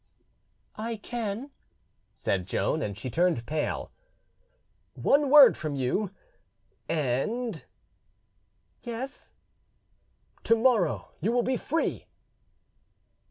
"I can," said Joan, and she turned pale. "One word from you—and—" "Yes?" "To morrow you will be free."